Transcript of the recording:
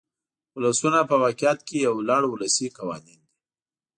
ولسي نرخونه په واقعیت کې یو لړ ولسي قوانین دي.